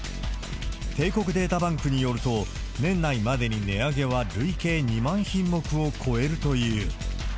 帝国データバンクによると、年内までに値上げは累計２万品目を超えるという。